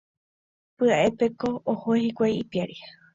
Pya'épeko oho hikuái ipiári.